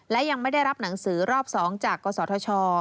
และยังไม่ได้รับหนังสือรอบ๒จากกศธช